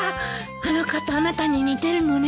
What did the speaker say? あの方あなたに似てるのね。